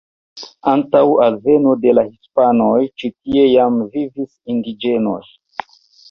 Antaŭ alveno de la hispanoj ĉi tie jam vivis indiĝenoj.